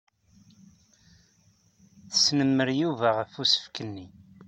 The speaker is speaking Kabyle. Tesnemmer Yuba ɣef usefk-nni.